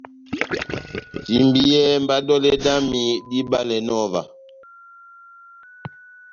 Timbiyɛhɛ mba dɔlɛ dami dibalɛnɔ ová.